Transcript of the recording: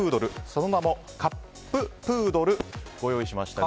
その名も「カップ・プードル」ご用意しました。